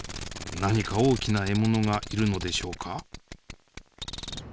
何か大きな獲物がいるのでしょうか。